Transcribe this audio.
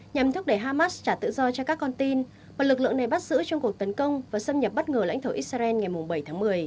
nhằm thúc đẩy hamas trả tự do cho các con tin mà lực lượng này bắt giữ trong cuộc tấn công và xâm nhập bất ngờ lãnh thổ israel ngày bảy tháng một mươi